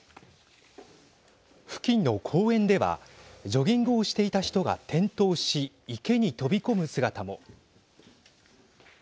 付近の公園ではジョギングをしていた人が転倒し池に飛び込む姿も。